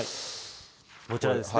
こちらですね。